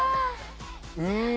うん！